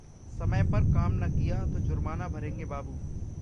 समय पर काम न किया तो जुर्माना भरेंगे बाबू